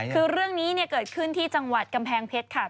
คือเรื่องนี้เกิดขึ้นที่จังหวัดกำแพงเพชรค่ะ